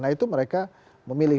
nah itu mereka memilih